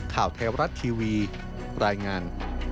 ข่าวไทยรัฐทีวีรายงาน